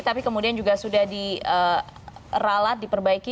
tapi kemudian juga sudah diralat diperbaiki